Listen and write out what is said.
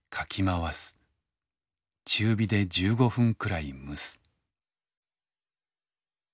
中火で１５分くらいむす」。